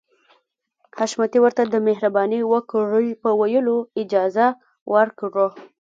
حشمتي ورته د مهرباني وکړئ په ويلو اجازه ورکړه.